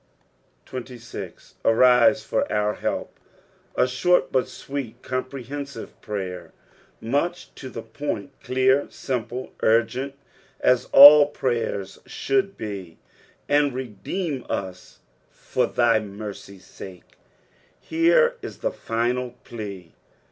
36. "ArUe for our kelp." A short, but eweet and comprehensive prayer, nuch to the point, clear, simple, urgent, as all prayers should be. "And redeem uJoT thy mereiei' take." Here is the final plea.